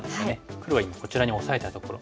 黒が今こちらにオサえたところ。